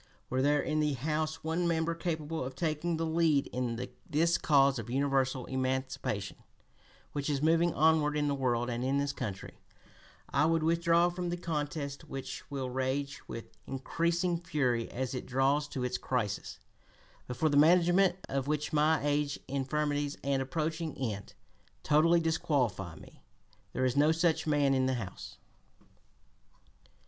Were there in the House one member capable of taking the lead in this cause of universal emancipation, which is moving onward in the world and in this country, I would withdraw from the contest which will rage with increasing fury as it draws to its crisis, but for the management of which my age, infirmities, and approaching end totally disqualify me. There is no such man in the House."